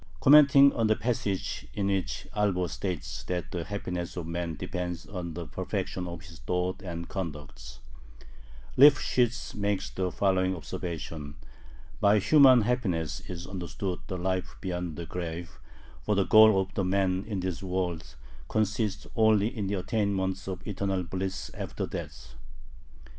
Commenting on the passage in which Albo states that "the happiness of man depends on the perfection of his thought and conduct," Lifshitz makes the following observation: "By human happiness is understood the life beyond the grave, for the goal of man in this world consists only in the attainment of eternal bliss after death."